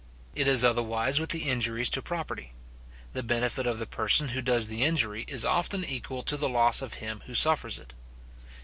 It is otherwise with the injuries to property. The benefit of the person who does the injury is often equal to the loss of him who suffers it.